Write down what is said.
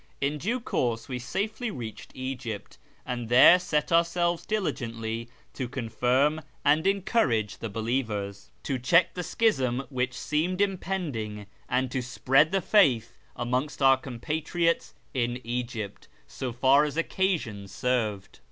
In due course we safely reached Egypt, and there set ourselves diligently to confirm and encourage the believers, to clieck the schism which seemed impending, and to spread the faith amongst our compatriots in Egypt, so far as occasion served.